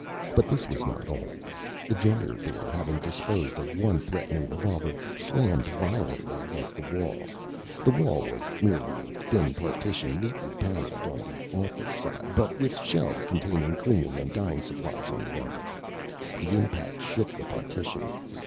But this was not all. The dryer door, having disposed of one threatening revolver, slammed violently against the wall. The wall was merely a thin partition, neatly paneled on the office side, but with shelves containing cleaning and dyeing supplies on the other. The impact shook the partition.